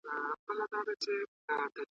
چي آشنا مي دی د پلار او د نیکونو ,